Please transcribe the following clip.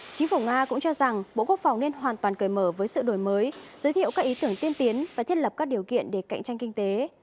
chính phủ nga cũng cho rằng bộ quốc phòng nên hoàn toàn cởi mở với sự đổi mới giới thiệu các ý tưởng tiên tiến và thiết lập các điều kiện để cạnh tranh kinh tế